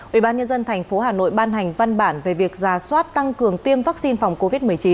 ubnd tp hà nội ban hành văn bản về việc giả soát tăng cường tiêm vaccine phòng covid một mươi chín